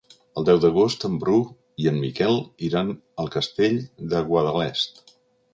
El deu d'agost en Bru i en Miquel iran al Castell de Guadalest.